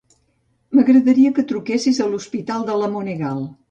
M'agradaria que truquessis a l'Hospital de La Monegal.